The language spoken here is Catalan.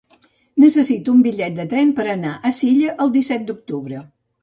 Necessito un bitllet de tren per anar a Silla el disset d'octubre.